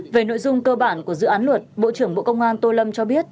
về nội dung cơ bản của dự án luật bộ trưởng bộ công an tô lâm cho biết